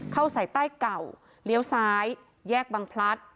เข้าใส่ใต้เก่าเลี้ยวซ้ายแยกบังพลัด